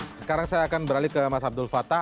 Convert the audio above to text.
sekarang saya akan beralih ke mas abdul fattah